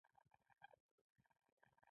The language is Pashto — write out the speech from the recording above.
کتل د ادراک یوه طریقه ده